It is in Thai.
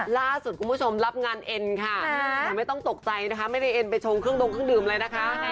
ล่าสุดคุณผู้ชมรับงานเอ็นค่ะไม่ต้องตกใจนะคะไม่ได้เอ็นไปชงเครื่องดงเครื่องดื่มเลยนะคะ